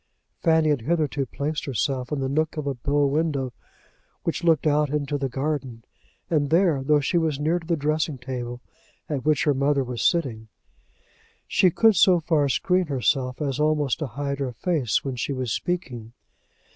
Fanny had hitherto placed herself in the nook of a bow window which looked out into the garden, and there, though she was near to the dressing table at which her mother was sitting, she could so far screen herself as almost to hide her face when she was speaking.